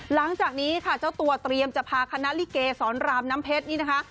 หลังจากนี้เจ้าตัวเตรียมจะพาคณะลิเกศร์สอนรามน้ำเพชร